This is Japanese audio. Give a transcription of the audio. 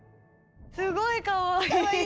すごいかわいい！